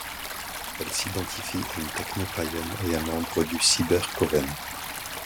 Elle s’identifie à une techno-païenne et est membre du cyber-coven.